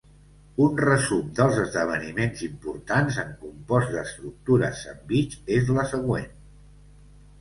Un resum dels esdeveniments importants en compost d'estructures sandvitx és la següent.